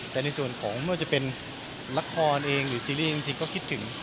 แต่ในส่วนของไม่ว่าจะเป็นละครเองหรือซีรีส์จริงก็คิดถึง